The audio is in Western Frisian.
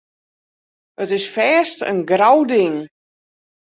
It is fêst in grou ding.